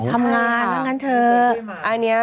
ทำงานดังนั้นเถอะ